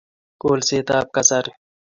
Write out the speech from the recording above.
Kolset ab kasari